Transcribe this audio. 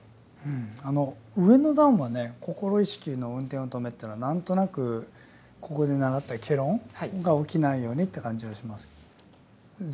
上の段はね「心意識の運転を停め」というのは何となくここで習った戯論が起きないようにという感じがします。